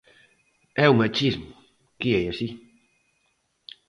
É o machismo, que é así.